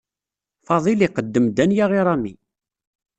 Faḍil iqeddem Danya i Rami.